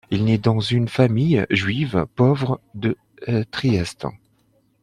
Il naît dans une famille juive pauvre de Trieste.